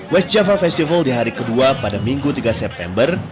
west java festival di hari kedua pada minggu tiga september